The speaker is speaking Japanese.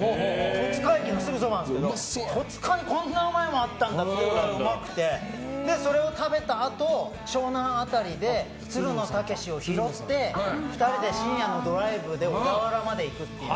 戸塚駅のすぐ近くなんですけど戸塚にこんなうまいものあったんだっていうぐらいうまくてそれを食べたあと、湘南辺りでつるの剛士を拾って２人で深夜のドライブで小田原まで行くという。